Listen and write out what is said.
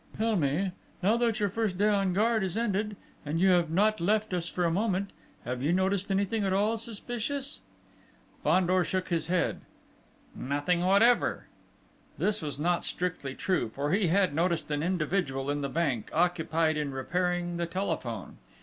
"Tell me, now that your first day on guard is ended, and you have not left us for a moment have you noticed anything at all suspicious?" Fandor shook his head. "Nothing whatever." This was not strictly true; for he had noticed an individual in the bank, occupied in repairing the telephone.